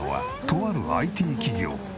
とあるＩＴ企業。